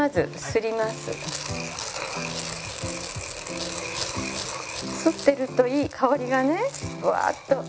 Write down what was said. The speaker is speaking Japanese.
すってるといい香りがねブワーッと。